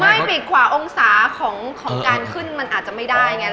ไม่ปีกกว่าองศาของการขึ้นมันอาจจะไม่ได้ไง